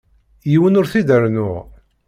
Yiwen ur t-id-rennuɣ.